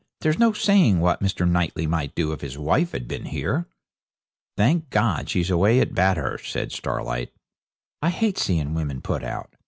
'There's no saying what Mr. Knightley might do if his wife had been here.' 'Thank God, she's away at Bathurst,' said Starlight. 'I hate seeing women put out.